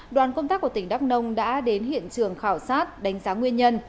đoàn công tác của tỉnh đắk nông đã đến hiện trường khảo sát đánh giá nguyên nhân